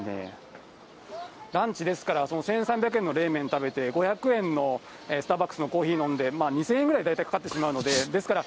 ランチですから、その１３００円の冷麺食べて、５００円のスターバックスのコーヒー飲んで、２０００円ぐらい大体かかってしまうので、ですから、